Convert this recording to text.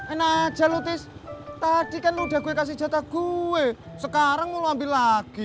enak aja lutis tadi kan udah gue kasih jatah gue sekarang mau ambil lagi